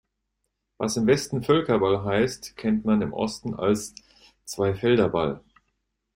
Was im Westen Völkerball heißt, kennt man im Osten als Zweifelderball.